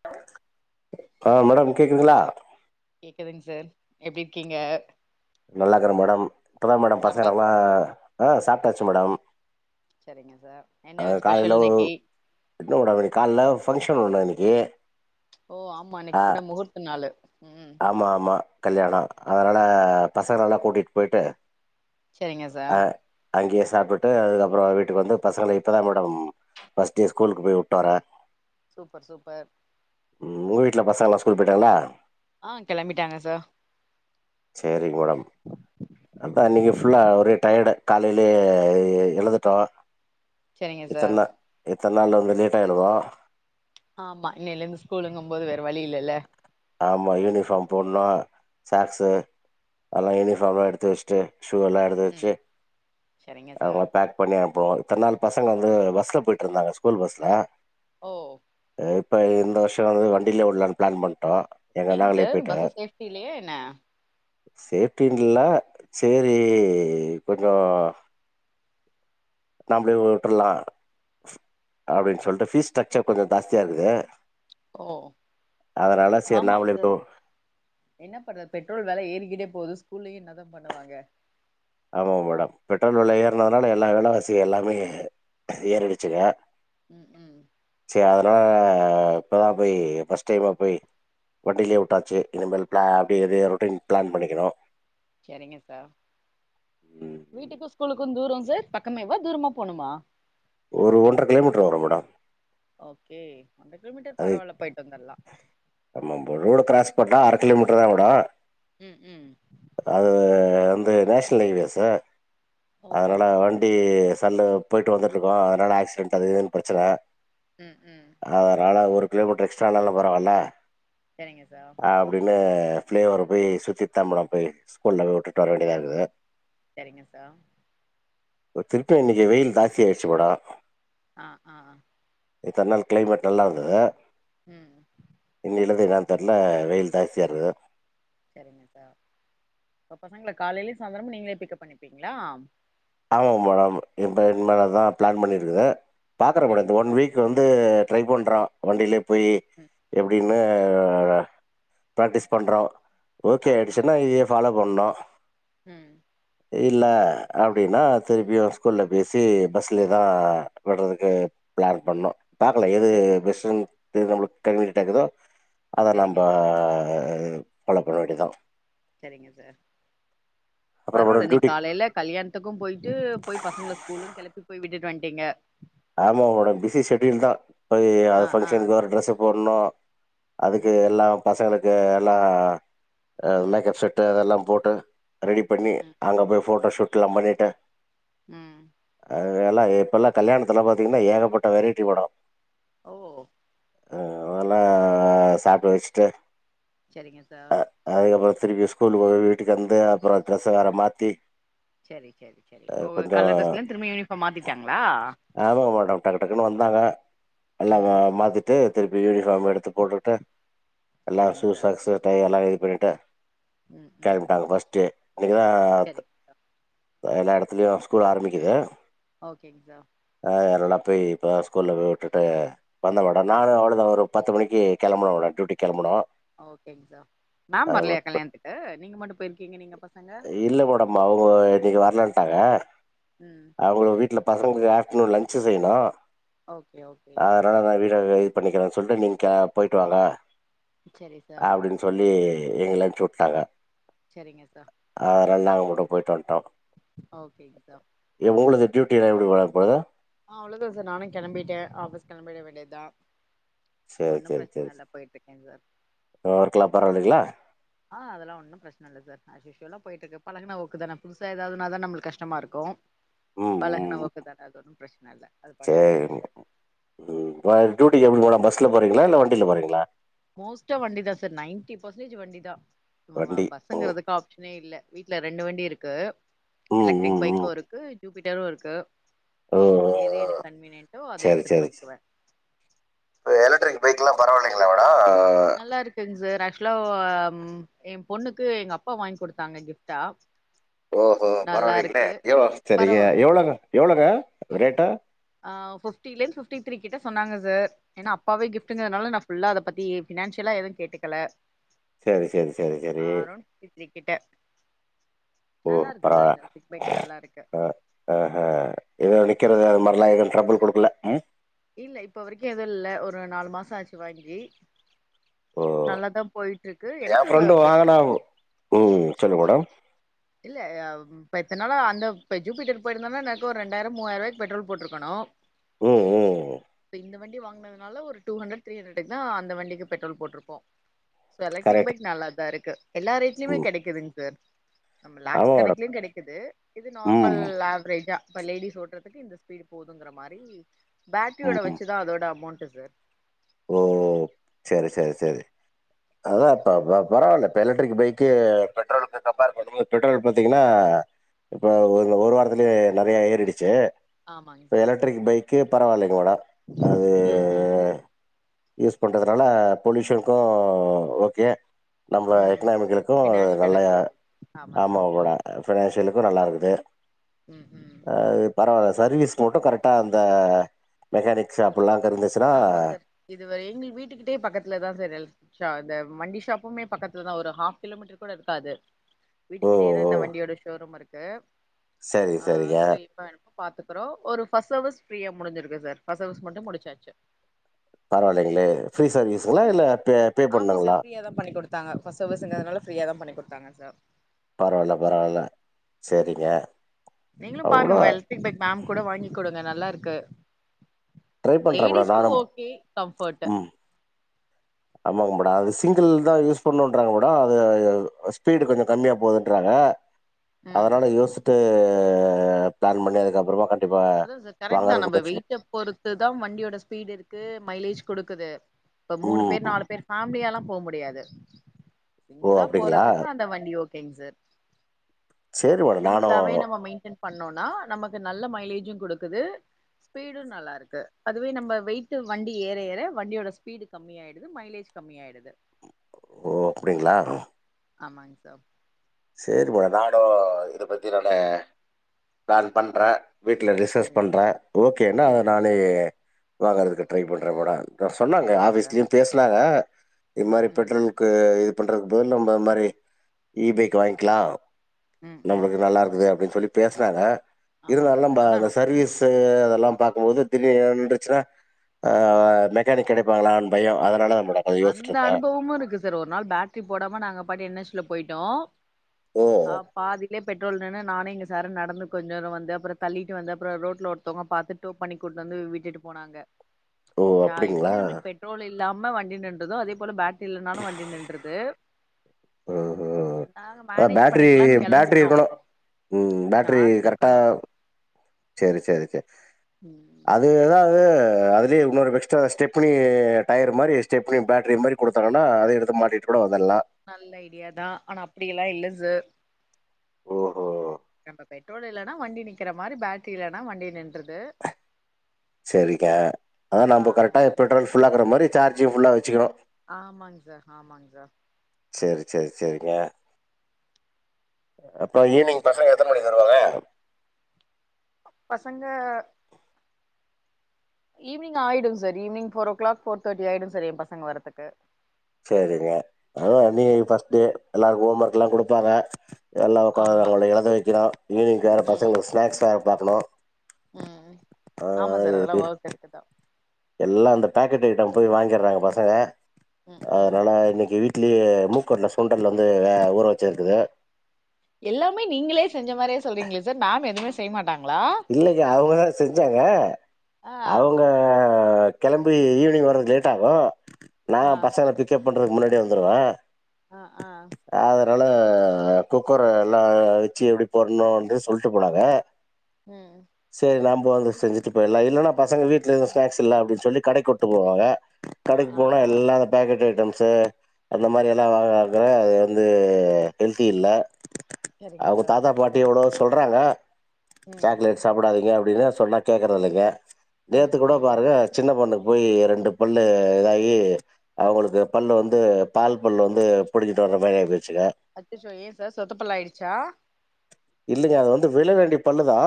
[inaudible] ஆ madam கேக்குதுங்களா கேக்குதுங்க sir எப்டி இருக்கீங்க நல்லா இருக்கிறே மேடம் இப்பதா மேடம் பசங்க சாப்ட்டா நல்லா ஆ சாப்ட்டாச்சு மேடம் செரிங்க சார் ஆ என்ன காலையில ஸ்பெஷல் இன்னைக்கு என்ன உணவு கால்ல ஃபங்க்ஷன் ஒண்ணு இன்னைக்கு ஓ ஆமா இன்னைக்கு ஆ கூட முகூர்த்த நாள்ளு ம் ஆமா ஆமா கல்யாணோ அதனால பசங்கலெல்லா கூட்டிட்டு போயிட்டு செரிங்க சார் ஆ அங்கேயே சாப்பிட்டு அதுக்கப்பறோ வீட்டுக்கு வந்து பசங்கள இப்பதா மேடம் ஃபஸ்ட் டே ஸ்கூலுக்கு போய் விட்டு வரே சூப்பர் சூப்பர் ம் உங்க வீட்ல பசங்களா ஸ்கூல் போய்ட்டாங்களா ஆ கெளம்பிட்டாங்க சா செரிங்க மேடம் அதா அன்னைக்கி ஃபுல்லா ஒரே டயடு காலலே எ எழுதுட்டோ சரிங்க எத்த சார் நா எத்த நாள் வந்து லேட்டா எழுவோ ஆமா இன்னையில இருந்து ஸ்கூலுங்கு போது வேற வழி இல்லைல்ல ஆமா யூனிஃபாம் போட்ணு சாக்ஸு அதெல்லா யூனிஃபாம்லா எடுத்து வச்சுட்டு ஷூ எல்லா எடுத்து ம் வச்சு சரிங்க சார் அதலா பேக் பண்ணி அனுப்போ இத்னால பசங்க வந்து பஸ்ல போய்ட்டு இருந்தாங்க ஸ்கூல் பஸ்ல ஓ இப்ப இந்த வர்ஷ வந்து வண்டியில விட்லான்னு பிளான் பண்ட்டோ எங்க ஏ நாங்களே சார் போயிட்டு பஸ்ஸு சேஃப்டி இல்லையா என்ன சேப்டின்ட்டுல்ல சேரி கொஞ்சோ நா அப்டியே வுட்டுரலா அப்டின்னு சொல்ட்டு ஃபீஸ் ஸ்டச்சர் கொஞ்சோ ஜாஸ்தியா இருக்குது ஓ அதனால சேரி ஆமாங்க நாமளே போ சார் என்ன பண்றது பெட்ரோல் வேல ஏறிக்கிட்டே போகுது ஸ்கூல்லயு என்ன தா பண்ணுவாங்க ஆமா மேடம் பெட்ரோல் வில ஏறனதுனால எல்லா வேல வாசியு எல்லாமே ஏறிடுச்சுங்க ம் ம் செரி அதுனால ஆ இப்பதா போய் ஃபர்ஸ்ட் டைம் அங்க போய் வண்டிலயே வுட்டாச்சு இனிமேல் பிளான் அப்டியே எது ரொட்டேஷன் பிளான் பண்ணிக்கணு செரிங்க சார் ம், வீட்டுக்கு ஸ்கூலுக்கு தூரோ சார் பக்கமே வா தூரமா போணுமா ஒரு ஒன்றரை கிலோமீட்டர் வரும் மேடம் ஓகே ஒன்ற கிலோமீட்டர் பரவால்ல போய்ட்டு வந்தர்லா ஆமா ரோடு க்ராஸ் பன்ட்டா அற கிலோமீட்டர் தா ஊடா ம் ம் அது வந்து நேஷனல் கய்வேஸ்ஸு ஓகே அதனால சார் வந் [unintelligible] சண்ட போய்ட்டு வந்துட்டு இருக்கோ அதனால ஆக்சிடெட் அது இதுன்னு ப்ரச்சன ம் ம் அதனால ஒரு கிலோமீட்டர் எக்ஸ்ட்ரானாலு பரவால்ல செரிங்க சார் அப்டின்னு பிள்ளைய ஒரு போய் சுத்திட்டு தா மேடம் போய் ஸ்கூல்ல போய் விட்டுட்டு வர வேண்டியதா இருக்குது செரிங்க சார் ஒ திருப்ப இன்னைக்கி வெய்யில் தாஸ்தியா ஆயிடுச்சு மேடம் ஆ ஆ அ இத்தன் நாள் க்ளைமேட் நல்லா இருந்தாது ம் ம் இன்னில இருந்து நா தர்ல வெய்யில் ஜாஸ்தியாருக்குது செரிங்க சார் இப்போ பசங்கள காலையிலயு சாயந்தரமாக நீங்களே பிக்கப் பண்ணிப்பீங்களா ஆமாங்க மேடம் இப்போ என் மேலே தா ஃப்ளா பண்ணியிருக்குது பாக்குறே ஒகே டம் சரிங்க இந்த ஒன் சார் வீக் வந்து ட்ரை பண்றா வண்டிலயே போயி ம் ம் எப்டின்னு பிராக்டிஸ் பண்ணுறோ ஓகே ஆ ஆ அடிசுனா எ பாலோ பண்ணோ ம் இல்ல அப் அப்டின்னா திருப்பியு ஸ்கூல்ல பேசி பஸ்ல தா விட்றதுக்கு பிளான் பண்ணோ பாக்கல எது சரிங்க பெஸ்ட்டு [unintelligible] நம்ளுக்கு [unintelligible] கேக்குதோ அத நம்ம சரிங்க சார் ஃபாலோ பண்ண வேண்டிதா செரிங்க சார் அப்றோ பரவால்ல மேடம் இன்னைக் டியூட்டிக்கு காலைல கல்யாணத்துக்கு போய்ட்டு போய் பசங்கள ஸ்கூலு கிளப்பி போய் விட்டுட்டு வன்ட்டீங்க ஆமா மேடம் பிஸி ஷெடியூல்தா போய் அது ஆ ஆ ஃபங்க்ஷனுக்கு ஒரு ட்ரெஸ் போடணு அதுக்கு ம் எல் எல்லா பசங்களுக்கு எல்லா மேக்கப் செட்டு இதல்லா போட்டு ரெடிப் பண்ணி ம் அங்க போய் போட்டோ ஷூட்ல்லா பண்ணிட்டு ம் அத எல்லா இப்ப எல்லா கல்யாணத்துலா பாத்தீங்கன்னா ஏகப்பட்ட வெரைட்டி மேடோ ஓ ஆ அதெல்லா சாப்ட வச்சுட்டு செரிங்க சார் அதுக்கப்பற திருப்பி ஸ்கூல போக வீட்டுக்கு வந்து அப்பறோ ட்ரெஸ்ச வேற மாத்தி செரி செரி செரி அ ஓ கொஞ்சம் கலர் டிரஸ்லந்து திரும்பே யூனிஃபாம் மாத்திட்டாங்களா ஆமாங்க மேடம் டக்கு டக்குன்னு வந்தாங்க எல்லா ம் ஆ மாத்திட்டு திருப்பி யூனிஃபாம் எடுத் த்து போட்டுட்டு எல்லா செரிங்க சு சார் சாக்ஸ் எல்லா இது பண்ணிட்டு ம் ம் கேள்ம்பட்டாங்க ஃபர்ஸ்ட்டு இன்னைக்குதா செரிங் எல்லா இடத்துலயு ஸ்கூல் ஆரம்பிக்குது ஓகேங்க சார் ஆ எல்னா போய் இப்பத ஸ்கூல்ல போய் விட்டுட்டு வந்த மேடம் நானு செரிங் அவ்ளோதா ஒரு பத்து மணிக்கி கெளம்பனு மேடம் டியூட்டி கெளம்பனு ஓகேங் சார் மேம் வர்லையா கல்யாணத்துக்கு நீங்க மட்டு போயிருக்கீங்க நீங்க ப இல்ல மேடம் அவுங்க இன்னைக்கி வர்லண்டாங்க ம் அவுங்கள வீட்ல பசங்களுக்கு ஆஃப்டர்னூன் லன்ஜ் செய்யணு ஓகே ஓகே அதனால நா வீட இது பண்ணிக்கறனு சொல்ட்டு நீங்க போயிட்டு வாங்க செரி சார் அப்டின்னு சொல்லி எங்ள அம்ச்சுட்டாங்க செரிங்க சார் அதனால நாங்க மட்டு போயிட்டு வண்ட்டோ ஓகேங் சார் ஏ உங்களுக்கு டியூட்டில் லா எப்டி மேடம் போகுது ஆ அவ்ளதா சார் நானு கெளம்பிட்டே ஆபிஸ் கெளம்பிட வேண்டியதா சேர் ஒன்னு சேர் பிரச்சன சேரி இல்ல போயிட்ருக்கேங் சார் அப்றோ ஒர்க்லா பரவாயில்லைங்களா ஆ அதெல்லா ஒன்னு பிரச்சன இல்ல சார் ஆஷ்யூசலா போயிட்டு இருக்கு பழகன ஒக்கு தானே புதுச ஏதாவதுனா தா நம்ம கஷ்டமா இருக்கு பழகுன ஒக்குதானே அது ஒன்னு பிரச்சன இல்ல அது பாட்டுக்கு சேரிங் போயிட்ருக்கு டியூட்டிகக்கு எப்டி மேடம் பஸ்ல போறீங்ளா இல்ல வண்டியில போறீங்ளா மோஸ்ட்டா வண்டி தா சார் நைன்ட்டி பஃர்சன்டேஜ் வண்டி தா வ வண்டி பஸ் ங்கிறதுக்கு ஆப்ஷனே இல்ல வீட்ல ரெண்டு வண்டி இருக்கு ம் ம் எலக்ட்ரிக் ம் பைக்கு ம் இருக்கு ஷுப்பீட்டரு இருக்கு ஓ ஓ ஓ எது எனக்கு கன்வீனியன்ட்டோ அத சரி எடுத்துட்டு சரி போய்க்குவே எலக்ட்ரிக் பைக்ல்லா பரவாயில்லைங்ளா மேடோ நல்லா இருக்குங் சார் ஆக்சுவலா எ பொண்ணுக்கு எங்க அப்பா வாங்கி குடுத்தாங்க கிஃப்டா ஓஹோ பரவால்லங்லே எ சரிங்க பரவா எவ்ளோங்க எவ்ளோங்க ரேட்டா ஆ ஃபிஃப்டிலேந்து ஃபிஃப்டி த்ரீ கிட்ட சொன்னாங்க சார் ஏனா அப்பாவே கிப்டுங்கதுனால நா ஃபுல்லா அத பத்தி பினான்ஷியலா எது கேட்டுக்கல சரி சரி சரி சரி [unintelligible] கிட்ட ஓ நல்லா இருக்கு சார் பிட் பேக் நல்லா இருக்கு ஆமா எதவு நிக்கிறது ம். அது மாரிலா எது ட்ரபுள் குடுக்கல ம் இல்ல இப்ப வரைக்கு எதுவு இல்ல ஒரு நாலு மாச ஆச்சு வாங்கி ஓ நல்லாதா போயிட்ருக்கு எ எனக்கு வ ஃப்ரெண்டு வாங்குனா பெட்குருப் ம் சொல்லு மேடம் இல்ல அவ் இப்ப எத்தனால அந்த பெ ஜூ பீட்டு போயிருந்தனா எனக்கு ஒரு ரெண்டாயிர முவாயிருவாக்கு பெட்ரோல் போட்ருக்கணு ம் ம் இப்ப இந்த வண்டி வாங்கினதுனால ஒரு டூஹண்டரட் திரீஹண்டர் த அந்த வண்டிக்கி பெட்ரோல் போட்ருப்போ சோ எலக்ட்ரிக் கரெக்ட் பைக் நல்லாத இருக்கு எல்லார் வீட்லயுமே ம் கெடைக்குதுங் சார் நம்ம லாக்ஸ் ஆமா மேடம் கணக்கிலியு கெடைக்குது இது நார்மல் ம் ஆவரேஜா இப்ப லேடிஸ் ஓட்டுறதுக்கு இந்த ஸ்பீடு போதுங்குற மாரி பேட்ரியோட ம் வச்சுதா அதோட அமௌண்ட்டு சார் ஓ செரி செரி செரி அதா இப்ப ப பரவால்ல இப்ப எலக்ட்ரிக் பைக்கு பெட்ரோல் வந்து கம்பேர் பண்ணுமு பெட்ரோல் பாத்தீங்கின்னா இப்ப ஒரு வாரத்துலே நறைய ஏறிடுச்சி ஆமாங் இப்ப சார் எலக்ட்ரிக் பைக்கு பரவாயில்லைங்கலா அது ம் ம் யூஸ் பண்றதுனால போலிஷன்க்கு ஓகே நம்ப ம் எக்கனாமிக்கலுக்கு அ நல்ல ஃபினான்ஷியலுக்கு ஆமா ஆமாவ சார் கூட ஃபினான்சியலுக்கு நல்லா இருக்குது ம் ம் அ பரவால்ல சர்வீஸ் மட்டு கரெக்டா அந்த மெக்கானிக் ஷாப்பெல்லா கரிந்துச் ஆமாங் சார் இது வரியு எங்க வீட்டுக்கிட்டே பக்கத்துல தா சார் எ ஷா இந்த வண்டி ஷாப்புமே பக்கத்துலதா ஒரு ஹாஃப் கிலோமீட்டர் கூட இருக்காது ஓ! வீட்டுக்கிட்டயே தா ஓ! இந்த வண்டியோட ஷோரூம் இருக்கு சரி, ஆ சரிங்க. சொய் அதா இப்ப பாத்துக்குறோ ஒரு ஃபஸ் சர்விஸ் பிரியா முடிஞ்சிருக்கு சார் ஃபஸ் சர்விஸ் மட்டு முடிச்சாச்சு பரவாலைங்களே ஃப்ரீ சர்வீஸுங்களா இல்ல பே பே பண்ணுங்களா இத பண்ணி குடு கத்தாங்க பஸ் சர்வீஸ்ங்குறதுனா ஃபிரீயா தா பண்ணி குடுத்தாங்க சார் பரவால்ல பரவால்ல சரிங்க அவ்ளோ பீட்பேக் மேம் கூட வாங்கி் குடுங்க நல்லாருக்கு ட்ரை பண்ற மேடம் நா து ஓகே கம்ஃபர்ட்டு ஆமாங்க மேடம் அது சிங்கிள் தா யூஸ் பண்ணும்ன்றாங்க கூட அது ஸ்பீடு கொஞ்ச கம்மியா போது இடிக்கிறாங்க ம் அதனால யோசிட்டு பிளான் பண்ணி அதுக்கு அப்புறமா கட் அத சார் கரெக்ட் தா நம்ப வெயிட்ட பொறுத்துதா வண்டியோட ஸ்பீடு இருக்கு மைலேஜ் குடுக்குது இப்ப மூணு பேர் ம். நாலு பேர் ஃபேமிலியாலா போ முடியாது ஓ! சிங்களா அப்டிங்களா? போறதுக்கு அந்த வண்டி ஓ ங் சார் சரி மேடம் நானும் சிங்குளாவே நம்ம மெயின் டன் பண்ணோனா நமக்கு நல்ல மைலேஜ் ங் குடுக்குது ஸ்பீடு நல்லாருக்கு அதுவே நம்ப வெயிட்டு வண்டி ஏற ஏற வண்டியோட ஸ்பீடு கம்மியாயி என்னுது மைலேஜ் கம்மியா ஆயிடுது ஓ அப்படிங்களா ஆமாங்க சார் சேரி மா நானு இத பத்தி நானு பிளான் பண்றே வீட்டில ரிசர்ஸ் சரி பண்றே ஓகேன்னா அத சரிங்க நானே சார் வாங்குறதுக்கு ட்ரை பண்றே மேட சொன்னாங்க சரிங்க சார் ஆபீஸ்லியு பேசுனாங்க இது ம் மாரி ம் பெட்ரோல் க்கு இது பண்றது போ நம்ம மாரி இ பைக் வாங்கிக்கலா ம் ம் நம்மக்கு நல்லா இருக்குது அப்பிடின் சொல்லி பேசுனாங்க ஆமாங்க இருந்தாலு நம்ப சார் ஆனா அந்த ரொ சர்வீஸ் த்து அதெல்லா பாக்குபோது திடீர்னு எங்கயாது நின்றுச்சுன்னா ஆ மொக்கானிக் கெடைப்பாங்களான்னு பயோ அதனால தா முட அந்த அனுபவமு இருக்கு சார் ஒரு நாள் பேட்ரி போடாம நாங்க பாட்டு என் எஸ்ல போய்டோ ஓ! ஆ பாதிலே பெட்ரோல் நின்னு நானே இங்க சர்னு நடந்து கொஞ்ச தூர வந்து அப்றோ தள்ளிட்டு வந்து அப்றோ ரோட்ல ஒருத்தவுங்க பாத்துட் டோ பண்ணி கொண்டந்து விட்டுட்டு போனாங்க ஓ! சா அப்படிங்களா? எப்டி நம்மளுக்கு பெட்ரோல் இல்லாம வண்டி நின்றுதோ அதே போல பேட்ரி இல்லனாலு வண்டி நின்றுது ஓ ஹோ அ மேனேஜ் பேட்ரி பண்ணிக்கலான்னு பேட்ரி கெளம்பிட்டோ இருக்கணு ம் பேட்ரி சார்ஜ் கரெக்டா இருக்கணு சேரி சேரி சேரி ம் அது இது எதாது அதுலயு இன்னொரு எக்ஸ்ட்ரா ஸ்டெப்னி டயர் மாரி ஸ்டெப்னி பேட்ரி மாரி குடுத்தாங்கனா அத எடுத்து மாட்டி கூட வந்துர்லா நல்ல ஐடியாதா ஆனா அப்டியெல்லா இல்ல சார் ஓஹோ! பெட்ரோல் இல்லனா வண்டி நிக்கிற மாரி பேட்ரி இல்லனா வண்டி நின்றுது சரிகா அதா ஆ நம்ப கரெக்டா பெட்ரோல் ஃபுல்லாக்குற மாரி சார்ஜ் ஃபுல்லா வச்சுகணு ஆமாங் சார் ஆமாங் சார் சேரி சேரி சேரிங்க அப்ப ஈவினிங் பசங்க எத்தன மணிக்கு வருவாங்க பசங்க ஈவ்னிங் ஆயிடும் sir evening four o'clock four thirty ஆயிடும் சார் எ பசங்க வரதுக்கு சரிங்க அத நீ ம் பஸ்டே எல்லாருக்கு ஹோம் ஒர்க்ல்லா குடுப்பாங்க எல்லா ஒக்கார ஆமா அவங்கள எழுத வக்கனு ஈவினிங் வேற ம் பசங்களுக்கு ஸ்நாக்ஸ் வேற பாக்கணு ம் ஆமா சார் அதெல்லா ஒர்க் இருக்குதா எல்லா அந்த பேக்கெட் ஐட்டம் போய் வாங்கிறாங்க பசங்க ம் ம் அதுனால இன்னக்கி வீட் லயே மூக்கற்ண சுண்டல் வந்து ஊற வச்சுருக்குது எல்லாமே நீங்களே செஞ்ச மாரியே சொல்றீங்க சார் மேம் எதுமே செய் மாட்டாங்ளா இல்லைங்க அவுங்கதா செஞ்சாங்க ஆ அவுங்க கெளம்பி ஈவினிங் வர்ற லேட் ஆகு நா ஆ பசங்க பிக்கப் பண்றதுக்கு முன்னாடியே வந்துருவ ஆ ஆ அதனால குக்கர எல்லா வச்சு எப்டி போடணு அப்டின்ண சொல்ட்டு போனாங்க ம் சரி நம்ப வந்து செஞ்சுட்டு போயிடலா இல்லைன்னா பசங்க வீட்டுல எது ஸ்னாக்ஸ் இல்ல அப்டின்னு சொல்லி கடைக்கு கூட்டு போவாங்க ஆ கடைக்கு ஆ போனா ஆ எல்லா பேக்கெட் ஐட்டம்ஸு அந்த மாரில்லா வாங்ற அது வந்து ஹெல்த்தி இல்ல சரிங்க அவுங்க சார் தாத்தா பாட்டி எவ்ளோ சொல்றாங்க ம் சாக்லேட் சாப்டாதீங்க அப்டின் சொன்னா கேக்றதில்லங்க ம் நேத்து கூட ம் பாருங்க சின்ன பொண்ணுக்கு போய் ரெண்டு பல்லு இதாயி அவுங்களுக்கு பல்ல வந்து பால் பல்ல வந்து புடிங்கிட்டு வர்ற மாரி ஆய்போய்ச்சுங்க அச்சச்சோ ஏன் சார் சொத்தப்பல்லாயிடுச்சா இல்லங்க அது வந்து விழ வேண்டிய பல்லுதா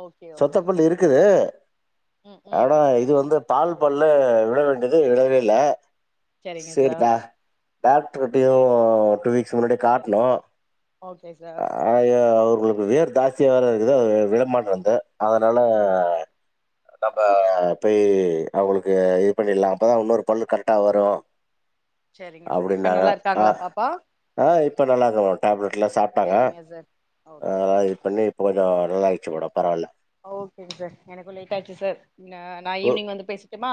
ஓகே சொத்த ஓகே பல்லு இருக்குது ம் ம் ஆனா இது வந்து பால் பல்லு விழ வேண்டியது விழவே இல்ல சரிங்க சார் சேரிபா டாக்டர்டயு டூ வீக்ஸ் முன்னாடி காட்னோ ஓகே சார் அவுகளுக்கு வேர் ஜாஸ்தியா வே இருக்குது விளமாட்டுந்து அதுனால ம் நம்ம போய் அவுங்களுக்கு இது பண்ணிலா அப்பதா இன்னொரு பல் கரெக்டா வரு சரிங்க சார் இப்ப அப்புடின்னாங்க நல்லா ஆ இருக்காங்களா பாப்பா ஆ இப்ப நல்லாருக்காங்க டேப்லட்லா சாப்டாங்க சரிங்க சார் ஓகே எல்லாம ஓகே இது பண்ணி இப்ப கொஞ்ச நல்லா ஆச்சு ஒடம்பு பரவால்ல ஓகேங்க சார் எனக்கு லேட் ஆயிடுச்சு சார் நா ஓ ஈவ்னிங் வந்து பேசட்டுமா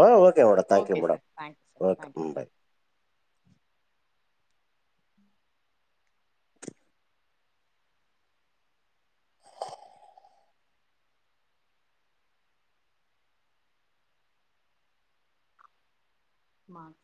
ஆ okay madam. Thank you okay madam. Sir thank you sir okay thank you ம் பை. சார் மா